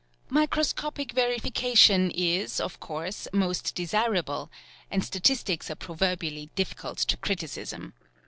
Microscopic verification is, of course, most desirable, and statistics are proverbially difficult of criticism.